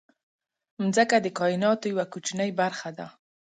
مځکه د کایناتو یوه کوچنۍ برخه ده.